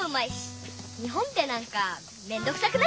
日本ってなんかめんどくさくない？